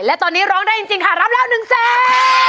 และตอนนี้ร้องได้จริงจริงค่ะรับละ๑๐๐บาท